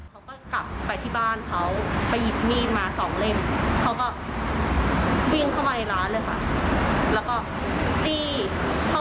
เขาไปเปลี่ยนเปลี่ยนความสนใจให้ไปที่เขามากกว่า